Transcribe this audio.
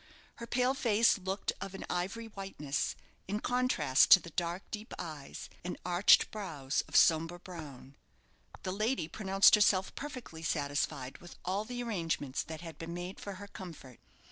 Her pale face looked of an ivory whiteness, in contrast to the dark, deep eyes, and arched brows of sombre brown. The lady pronounced herself perfectly satisfied with all the arrangements that had been made for her comfort.